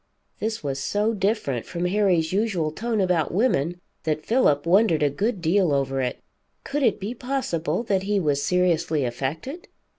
This was so different from Harry's usual tone about women, that Philip wondered a good deal over it. Could it be possible that he was seriously affected?